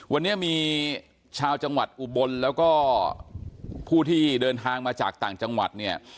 วันนี้มีชาวจังหวัดอุบลแล้วก็ผู้ที่เดินทางมาจากต่างจังหวัดเนี่ย